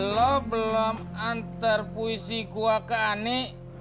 lo belum antar puisi ke ani